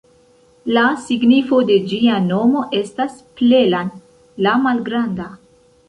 La signifo de ĝia nomo estas "Plelan"-la-malgranda.